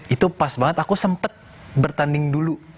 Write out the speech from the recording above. itu pas banget aku sempet bertanding dulu